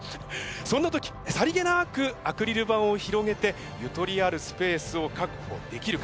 そんな時さりげなくアクリル板を広げてゆとりあるスペースを確保できるか？